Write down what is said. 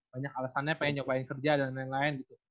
banyak alasannya pengen nyobain kerja dan lain lain gitu